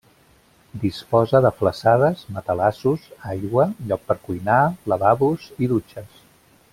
Disposa de flassades, matalassos, aigua, lloc per cuinar, lavabos i dutxes.